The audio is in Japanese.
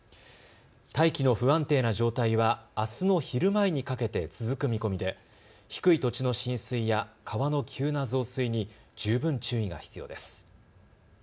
大気の不安定な状態はあすの昼前にかけて続く見込みで低い土地の浸水や川の急な増水に十分注意が必要です。